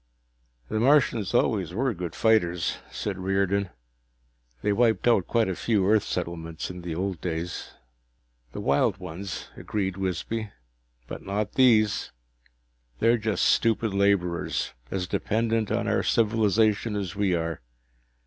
"The Martians always were good fighters," said Riordan. "They wiped out quite a few Earth settlements in the old days." "The wild ones," agreed Wisby. "But not these. They're just stupid laborers, as dependent on our civilization as we are.